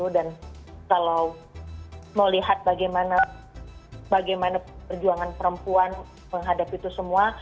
dan kalau melihat bagaimana perjuangan perempuan menghadapi itu semua